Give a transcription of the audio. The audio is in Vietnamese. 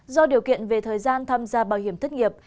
do điều kiện về thời gian tham gia bảo hiểm thất nghiệp